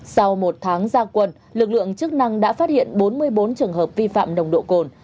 sau một tháng gia quân lực lượng chức năng đã phát hiện bốn mươi bốn trường hợp vi phạm nồng độ cồn